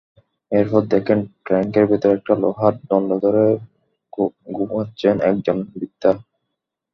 এরপর দেখেন, ট্যাঙ্কের ভেতরে একটি লোহার দণ্ড ধরে গোঙাচ্ছেন একজন বৃদ্ধা।